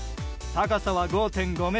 高さは５．５ｍ。